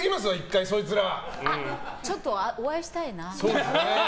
ちょっとお会いしたいな。